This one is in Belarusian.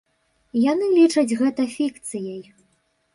Яны лічаць гэта фікцыяй.